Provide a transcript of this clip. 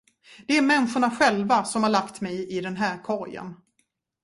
Det är människorna själva, som har lagt mig i den här korgen.